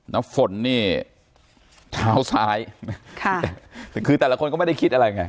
น้ำฝนนี่เท้าซ้ายคือแต่ละคนก็ไม่ได้คิดอะไรไง